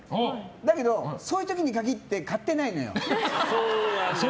だけど、そういう時に限って買ってないんだよ。